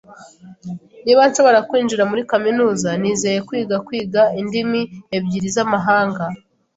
Niba nshobora kwinjira muri kaminuza, nizeye kwiga kwiga indimi ebyiri z'amahanga.